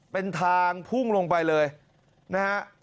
เป็นทางพุ่งลงไปเลยนะฮะ